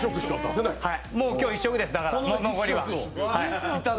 もう、今日は１食です、残りは。